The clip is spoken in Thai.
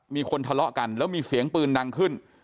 มีคนทะเลาะกันแล้วมีเสียงปืนดังขึ้น